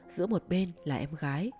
giữa một bên là em gái